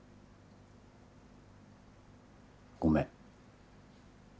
ごめん。